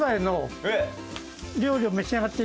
えっ？